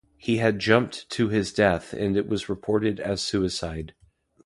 He had jumped to his death and it was reported as suicide.